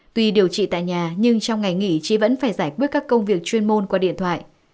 tuy điều trị tại nhà nhưng trong ngày nghỉ chị vẫn phải giải quyết các công việc chuyên môn qua điện thoại